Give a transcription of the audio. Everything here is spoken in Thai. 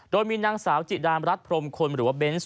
โดยมีนางสาวจิดามรัฐพรมคนหรือว่าเบนส์